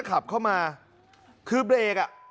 ขับเข้ามาคือเบรกอ่ะ